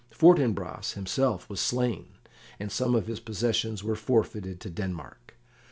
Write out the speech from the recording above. Fortinbras himself was slain, and some of his possessions were forfeited to Denmark.